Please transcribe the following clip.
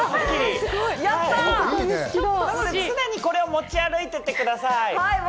常にこちらを持ち歩いていてください。